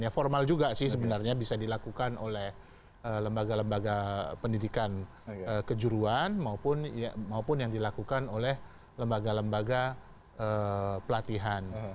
ya formal juga sih sebenarnya bisa dilakukan oleh lembaga lembaga pendidikan kejuruan maupun yang dilakukan oleh lembaga lembaga pelatihan